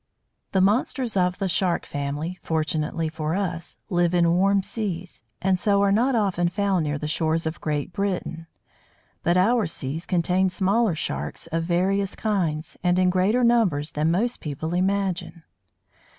] The monsters of the Shark family, fortunately for us, live in warm seas, and so are not often found near the shores of Great Britain. But our seas contain smaller Sharks of various kinds, and in greater number than most people imagine.